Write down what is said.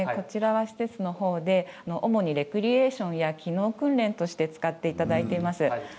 施設で主にレクリエーションや機能訓練として使っていただいています。